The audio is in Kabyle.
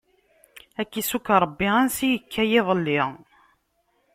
Ad k-issukk Ṛebbi ansi ikka iḍelli!